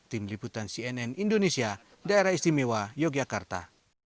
tim liputan cnn indonesia daerah istimewa yogyakarta